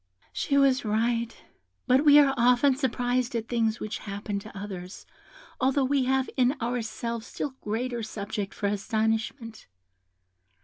"She was right; but we are often surprised at things which happen to others, although we have in ourselves still greater subject for astonishment.